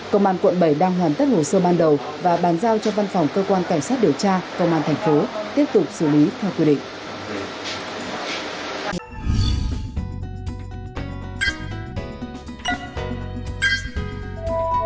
công an quận bảy đang hoàn tất hồ sơ ban đầu và bàn giao cho văn phòng cơ quan cảnh sát điều tra công an thành phố tiếp tục xử lý theo quy định